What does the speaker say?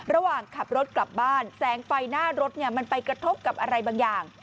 ระหว่างขับรถกลับบ้านแสงไฟหน้ารถมันไปกระทบกับอะไรบางอย่าง